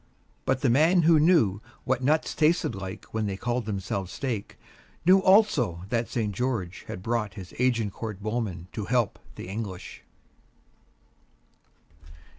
But the man who knew what nuts tasted like when they called themselves steak knew also that St. George had brought his Agincourt Bowmen to help the English.